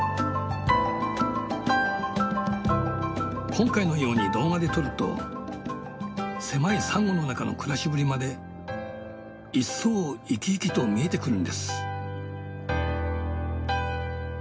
今回のように動画で撮ると狭いサンゴの中の暮らしぶりまで一層生き生きと見えてくるんです。